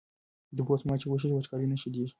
د اوبو سپما چې وشي، وچکالي نه شدېږي.